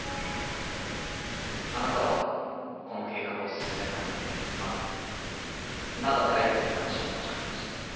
あなたはこの計画を進めるためにまず灘大聖に話を持ちかけました。